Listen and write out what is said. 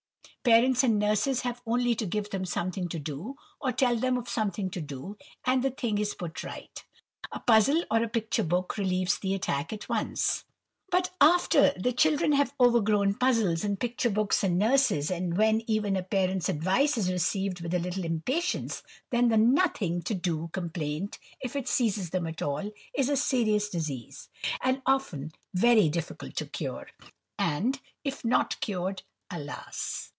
Parents and nurses have only to give them something to do, or tell them of something to do, and the thing is put right. A puzzle or a picture book relieves the attack at once. But after the children have out grown puzzles, and picture books, and nurses, and when even a parent's advice is received with a little impatience, then the nothing to do complaint, if it seizes them at all, is a serious disease, and often very difficult to cure; and, if not cured, alas!